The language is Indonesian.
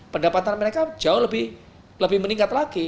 pendapatan mereka jauh lebih meningkat lagi